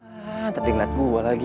hantar di ngeliat gua lagi